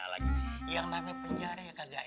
rung kenapa jadi gelisah